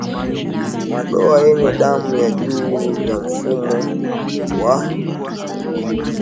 Madoa yenye damu juu ya mfumo wa mmengenyo wa chakula ni dalili ya ndigana